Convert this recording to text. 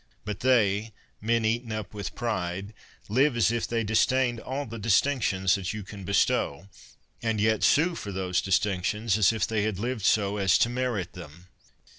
But they, men eaten up with pride, live as if they disdained all the distinctions that you can bestow, and yet sue for those distinctions as if they had lived so as to merit them.